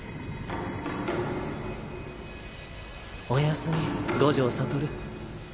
おやすみ五条悟。